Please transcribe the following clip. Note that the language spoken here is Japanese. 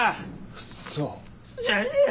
ウソじゃねえよ。